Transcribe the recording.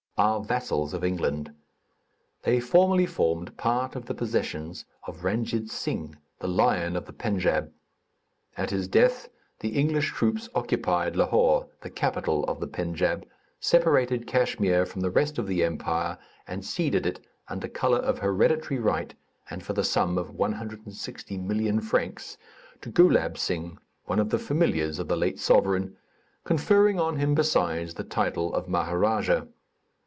are vassals of England. They formerly formed part of the possessions of Randjid Sing, the Lion of the Pendjab. At his death, the English troops occupied Lahore, the capital of the Pendjab, separated Kachmyr from the rest of the empire and ceded it, under color of hereditary right, and for the sum of 160,000,000 francs, to Goulab Sing, one of the familiars of the late sovereign, conferring on him besides the title of Maharadja.